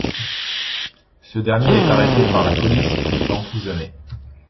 Ce dernier est arrêté par la police puis emprisonné.